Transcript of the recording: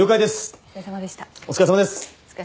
お疲れさまでした。